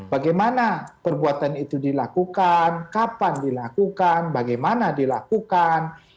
bagaimana perbuatan itu dilakukan kapan dilakukan bagaimana dilakukan